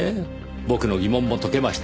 僕の疑問も解けました。